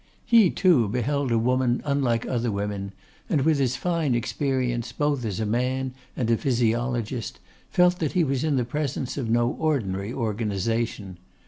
He, too, beheld a woman unlike other women, and with his fine experience, both as a man and as a physiologist, felt that he was in the presence of no ordinary organisation.